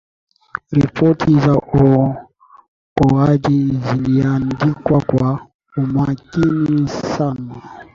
ripoti za uokoaji ziliandikwa kwa umakini sana